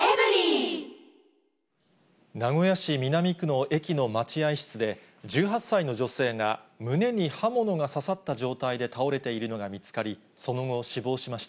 名古屋市南区の駅の待合室で、１８歳の女性が胸に刃物が刺さった状態で倒れているのが見つかり、その後、死亡しました。